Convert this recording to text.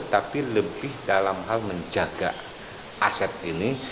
tapi lebih dalam hal menjaga aset ini